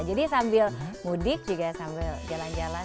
jadi sambil mudik juga sambil jalan jalan